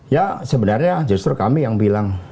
ya sebenarnya justru kami yang bilang